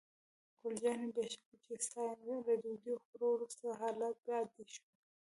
ګل جانې: بې شک چې ستا یم، له ډوډۍ خوړو وروسته حالات عادي شول.